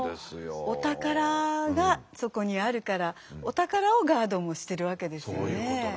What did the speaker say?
お宝がそこにあるからお宝をガードもしてるわけですよね。